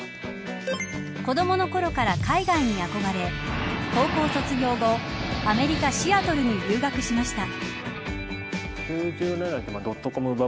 子どものころから海外に憧れ高校卒業後アメリカシアトルに留学しました。